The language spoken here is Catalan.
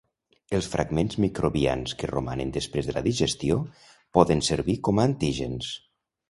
Els fragments microbians que romanen després de la digestió poden servir com a antígens.